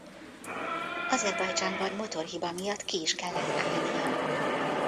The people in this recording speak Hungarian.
Azerbajdzsánban motorhiba miatt ki is kellett állnia.